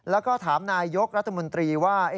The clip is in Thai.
แล้วก็ถามนายยกรัฐมนตรีว่า